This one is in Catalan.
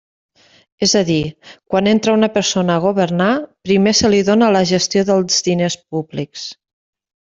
És a dir, quan entra una persona a governar, primer se li dóna la gestió dels diners públics.